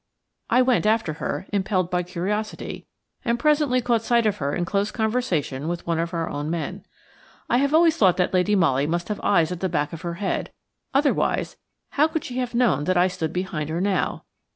I went after her, impelled by curiosity, and presently caught sight of her in close conversation with one of our own men. I have always thought that Lady Molly must have eyes at the back of her head, otherwise how could she have known that I stood behind her now?